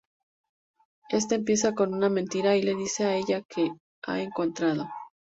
Éste empieza con una mentira y le dice a ella que ha entrado.